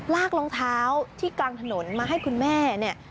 รองเท้าที่กลางถนนมาให้คุณแม่เนี่ย